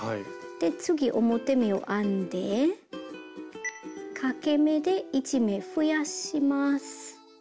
で次表目を編んでかけ目で１目増やします。